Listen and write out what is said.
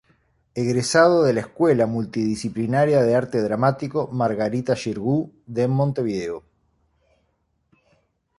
Egresado de la Escuela Multidisciplinaria de Arte Dramático Margarita Xirgu de Montevideo.